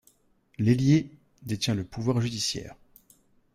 L’Héliée détient le pouvoir judiciaire.